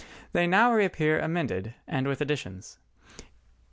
They now reappear amended and with additions.